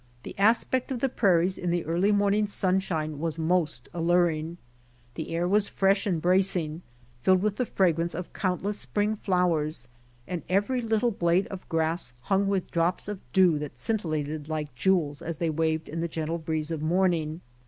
The aspect of the prairies in the early morning sunshine was most alluring. The air was fresh and bracing, filled with the fragrance of countless spring flowers, and every little blade of grass hung with drops of dew that scintillated like jewels as they waved in the gentle breeze of morning.